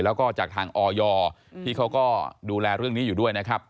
แล้วก็จากทางออยที่เขาก็ดูแลเรื่องนี้อยู่ด้วยนะครับ